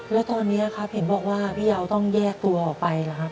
แล้วตอนนี้ครับเห็นบอกว่าพี่เยาต้องแยกตัวออกไปหรือครับ